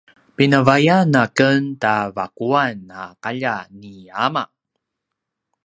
pinavayan a ken ta vaquan a kaljat ni ama